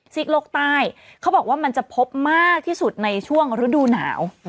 โลกใต้เขาบอกว่ามันจะพบมากที่สุดในช่วงฤดูหนาว